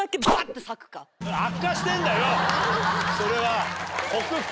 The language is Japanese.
それは。